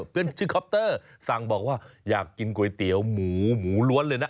ชื่อคอปเตอร์สั่งบอกว่าอยากกินก๋วยเตี๋ยวหมูหมูล้วนเลยนะ